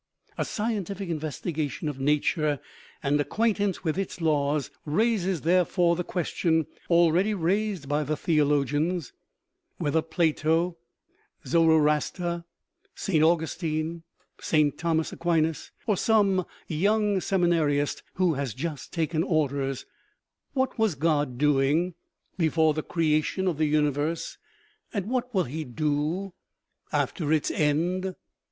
A scientific investigation of na ture and acquaintance with its laws raises, therefore, the question already raised by the theologians, whether Plato, Zoroaster, Saint Augustine, Saint Thomas Aquinas, or some young seminarist who has just taken orders :" What was God doing before the creation of the universe, and OMEGA. 279 what will he do after its end?"